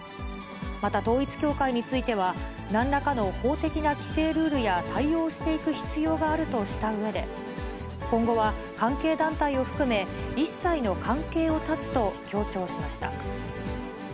また統一教会については、なんらかの法的な規制ルールや対応をしていく必要があるとしたうえで、今後は関係団体を含め、一切の関係を断つと強調しました。